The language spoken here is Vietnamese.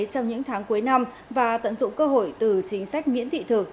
trong những tháng cuối năm và tận dụng cơ hội từ chính sách miễn thị thực